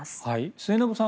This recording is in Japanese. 末延さん